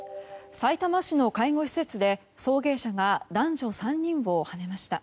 さいたま市の介護施設で送迎車が男女３人をはねました。